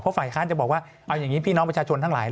ฝ่ายค้านจะบอกว่าเอาอย่างนี้พี่น้องประชาชนทั้งหลาย